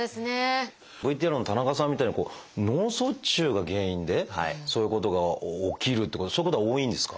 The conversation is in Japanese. ＶＴＲの田中さんみたいに脳卒中が原因でそういうことが起きるってそういうことは多いんですか？